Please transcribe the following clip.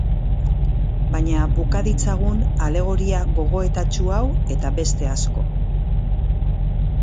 Baina buka ditzagun alegoria gogoetatsu hau eta beste asko.